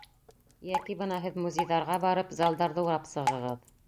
Йәки бына һеҙ музейҙәргә барып, залдарҙы урап сығығыҙ.